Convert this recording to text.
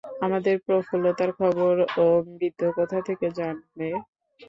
আমাদের প্রফুল্লতার খবর ও বৃদ্ধ কোথা থেকে জানবে?